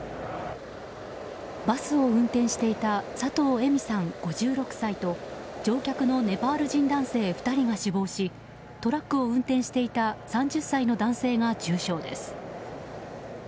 バスを運転していた佐藤恵美さん、５６歳と乗客のネパール人男性２人が死亡しトラックを運転していた３０歳の男性が重傷です。